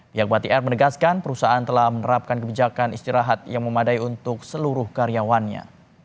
pihak batik air menegaskan perusahaan telah menerapkan kebijakan istirahat yang memadai untuk seluruh karyawannya